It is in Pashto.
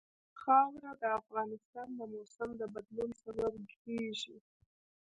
خاوره د افغانستان د موسم د بدلون سبب کېږي.